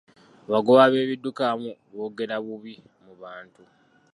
Abagoba b'ebidduka abamu boogera bubi mu bantu.